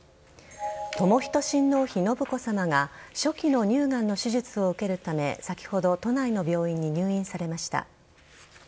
寛仁親王妃・信子さまが初期の乳がんの手術を受けるため先ほど都内の病院に入院されました。